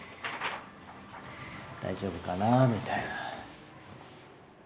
大丈夫かなぁみたいな。